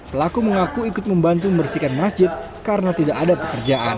pelaku mengaku ikut membantu membersihkan masjid karena tidak ada pekerjaan